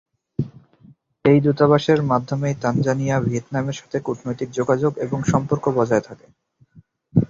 এই দূতাবাসের মাধ্যমেই তানজানিয়া, ভিয়েতনামের সাথে কূটনৈতিক যোগাযোগ এবং সম্পর্ক বজায় থাকে।